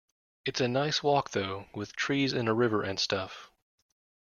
It's a nice walk though, with trees and a river and stuff.